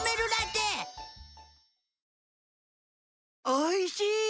おいしい！